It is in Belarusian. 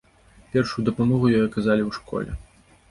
Першую дапамогу ёй аказалі ў школе.